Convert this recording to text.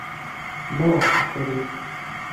Mort à Ferry !